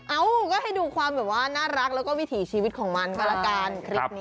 เอ้าก็ให้ดูความน่ารักแล้วก็วิถีชีวิตของมัน